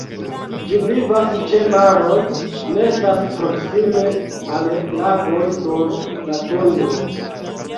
Ĝi vivas ĉe maroj, nestas proksime al lagoj, sur la tundro.